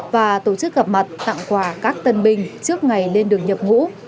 và tổ chức gặp mặt tặng quà các tân binh trước ngày lên đường nhập ngũ